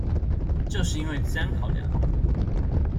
就是因為資安考量